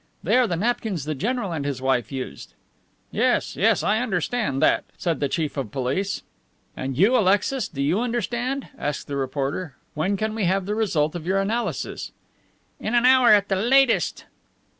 "They are the napkins the general and his wife used." "Yes, yes, I understand that," said the Chief of Police. "And you, Alexis, do you understand?" asked the reporter. "When can we have the result of your analysis? "In an hour, at the latest."